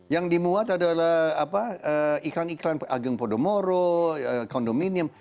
yang dimuat adalah iklan iklan ageng podomoro kondominium